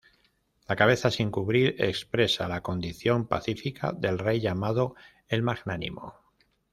La cabeza sin cubrir expresa la condición pacífica del rey llamado el Magnánimo.